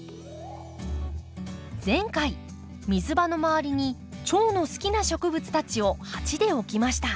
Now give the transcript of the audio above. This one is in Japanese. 前回水場の周りにチョウの好きな植物たちを鉢で置きました。